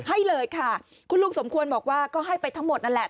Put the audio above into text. ให้เลยค่ะคุณลุงสมควรบอกว่าก็ให้ไปทั้งหมดนั่นแหละ